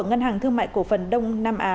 ngân hàng thương mại cổ phần đông nam á